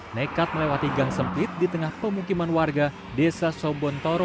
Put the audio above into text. nekat melewati gang sempit di tengah pemukiman warga desa sobontoro